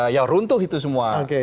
ya runtuh itu semua